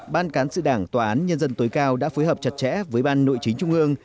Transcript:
ban cán sự đảng tòa án nhân dân tối cao đã phối hợp chặt chẽ với ban nội chính trung ương